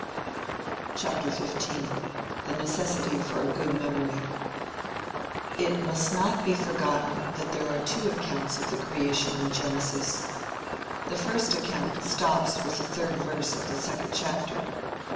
XV. THE NECESSITY FOR A GOOD MEMORY It must not be forgotten that there are two accounts of the creation in Genesis. The first account stops with the third verse of the second chapter.